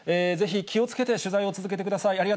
ぜひ、気をつけて取材を続けてください。